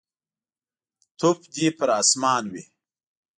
توف دي پر اسمان وي.